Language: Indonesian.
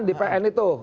di pn itu